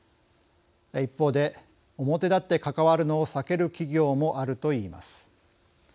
一方で、表立って関わるのを避ける企業もあるといいます。